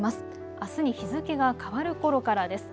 あすに日付が変わるころからです。